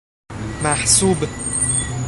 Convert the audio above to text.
محسوب